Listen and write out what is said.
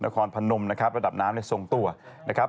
นครพนมระดับน้ำส่งตัวนะครับ